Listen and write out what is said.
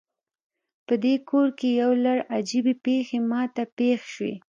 پدې کور کې یو لړ عجیبې پیښې ما ته پیښ شوي